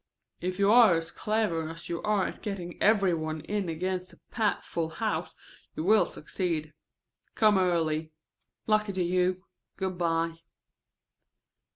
If you are as clever as you are at getting every one in against a pat full house you will succeed. Come early. Luck to you. Good by.")